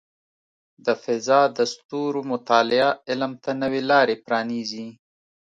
د فضاء د ستورو مطالعه علم ته نوې لارې پرانیزي.